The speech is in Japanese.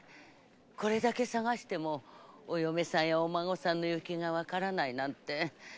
これだけ探してもお嫁さんやお孫さんの行方がわからないなんておかしい。